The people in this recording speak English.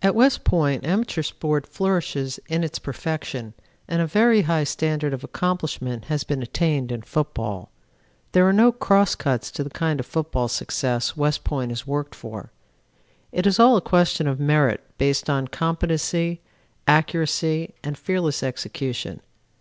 "At West Point amateur sport flourishes in its perfection, and a very high standard of accomplishment has been attained in football. There are no cross cuts to the kind of football success West Point has worked for: it is all a question of merit based on competency, accuracy and fearless execution.